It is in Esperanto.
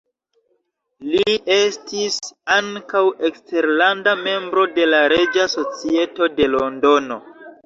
Li estis ankaŭ eskterlanda membro de la Reĝa Societo de Londono.